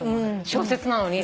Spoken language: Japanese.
小説なのに？